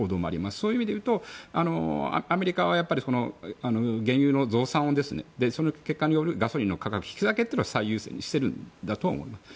そういう意味でいうとアメリカは原油の増産の結果によるガソリン価格の引き下げというのを最優先にしてるんだと思います。